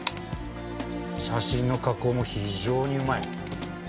写真の加工も非常にうまい。